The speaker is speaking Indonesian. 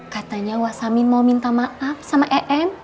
katanya wasamin mau minta maaf sama em